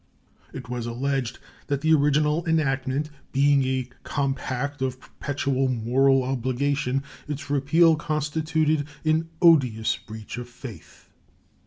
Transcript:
It was alleged that the original enactment being a compact of perpetual moral obligation, its repeal constituted an odious breach of faith.